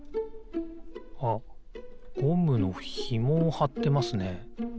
あっゴムのひもをはってますね。